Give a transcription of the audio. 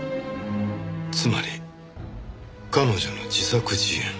つまり彼女の自作自演。